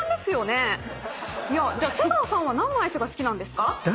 ⁉じゃあセガワさんは何のアイスが好きなんですか？